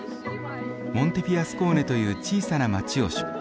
モンテフィアスコーネという小さな街を出発。